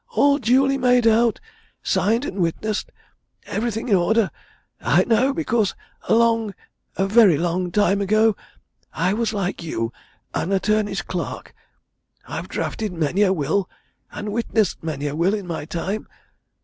All duly made out, signed, and witnessed. Everything in order, I know! because a long, a very long time ago, I was like you, an attorney's clerk. I've drafted many a will, and witnessed many a will, in my time.